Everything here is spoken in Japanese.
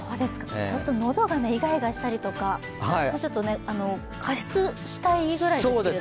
ちょっと喉がイガイガしたりとか、加湿したいぐらいですけど。